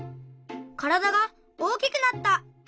からだが大きくなった！